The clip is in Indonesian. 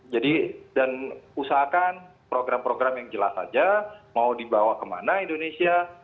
jadi dan usahakan program program yang jelas saja mau dibawa kemana indonesia